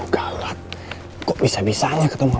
gak usah tante